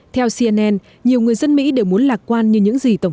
theo cnn nhiều người dân mỹ đều muốn lạc quan như những gì tổng thống